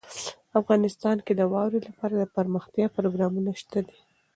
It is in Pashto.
افغانستان کې د واورې لپاره دپرمختیا پروګرامونه شته دي.